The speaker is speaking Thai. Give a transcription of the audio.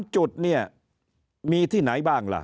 จุดเนี่ยมีที่ไหนบ้างล่ะ